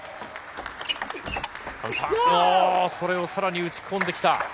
それをさらに打ち込んできた。